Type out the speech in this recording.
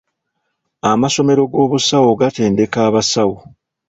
Amasomero g'obusawo gatendeka abasawo.